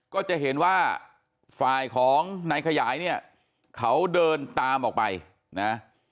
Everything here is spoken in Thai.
ก็จะเห็นว่าฝ่ายของนายขยายเนี่ยเขาเดินตามออกไปนะ